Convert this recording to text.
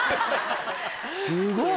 すごい！